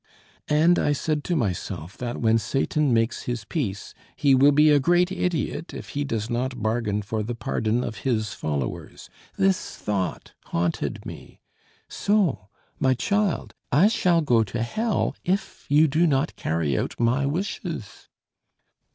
"And I said to myself that when Satan makes his peace he will be a great idiot if he does not bargain for the pardon of his followers. This thought haunted me. So, my child, I shall go to hell if you do not carry out my wishes."